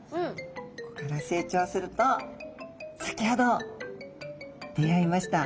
ここから成長すると先ほど出会いました